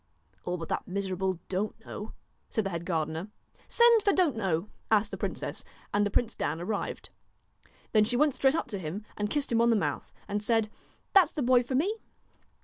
'All but that miserable Don't know,' said the head gardener. 'Send for Don't know,' asked the princess, and the prince Dan arrived. Then she went straight up to him and kissed him on the mouth, and said :' That 's the boy for me.'